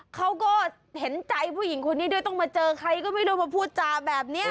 เขาก็เห็นใจผู้หญิงคนนี้ด้วยต้องมาเจอใครก็ไม่รู้มาพูดจาแบบนี้